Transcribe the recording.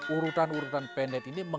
urutan urutan pendek ini